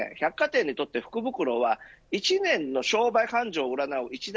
それでも百貨店にとって福袋は一年の商売繁盛を占う